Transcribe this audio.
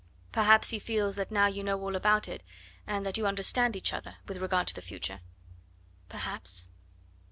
"Perhaps he feels that now you know all about it, and that you understand each other with regard to the future." "Perhaps."